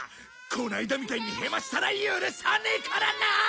この間みたいにヘマしたら許さねえからな！